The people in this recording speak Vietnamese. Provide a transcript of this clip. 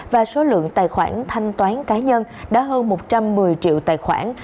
và số lượng tài khoản thanh toán cá nhân đã hơn một trăm một mươi triệu tài khoản